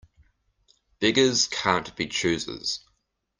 Beggars can't be choosers.